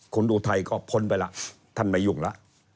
คุณอุทัยก็พ้นไปแล้วท่านไม่ยุ่งแล้ว